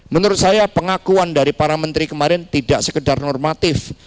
menurut saya pengakuan dari para menteri kemarin tidak sekedar normatif